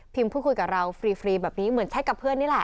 พูดคุยกับเราฟรีแบบนี้เหมือนแชทกับเพื่อนนี่แหละ